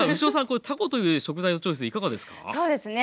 これたこという食材のチョイスいかがですか？